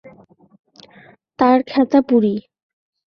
তার খেতা পুড়ি।